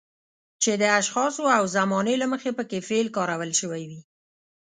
چې د اشخاصو او زمانې له مخې پکې فعل کارول شوی وي.